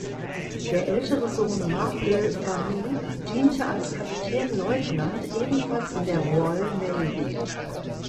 Der ältere Sohn Mark Le Fanu diente als Kapitänleutnant ebenfalls in der Royal Navy.